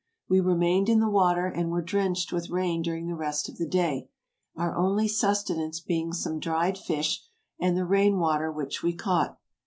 We remained in the water and were drenched with rain during the rest of the day, our only sustenance being some dried fish and the rain water which we caught.